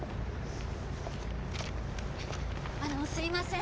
あのすいません。